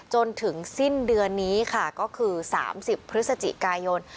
จนถึงสิ้นเดือนนี้ค่ะก็คือ๓๐พฤศจิกายน